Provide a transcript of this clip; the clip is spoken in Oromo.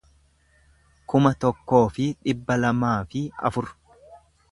kuma tokkoo fi dhibba lamaa fi afur